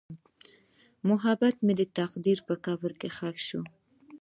محبت مې د تقدیر په قبر کې ښخ شو.